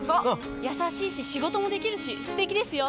優しいし仕事もできるし素敵ですよ。